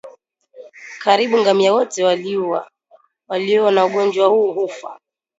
Karibu ngamia wote walio na ugonjwa huu hufa